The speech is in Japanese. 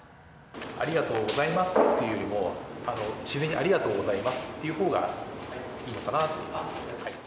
ありがとうございますっていうよりも、自然にありがとうございますって言うほうがいいのかなと。